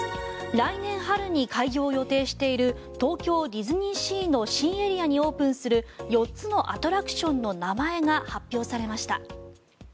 来年春に開業を予定している東京ディズニーシーの新エリアにオープンする４つのアトラクションの名前が発表されました。